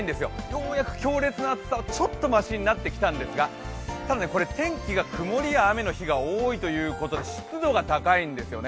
ようやく強烈な暑さは少しましになってきたんですがただ、天気が曇りや雨の日が多いということで湿度が高いんですよね。